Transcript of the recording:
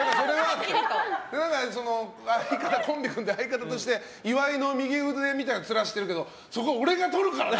コンビ組んで相方として岩井の右腕みたいな面してるけどそこは俺がとるからな！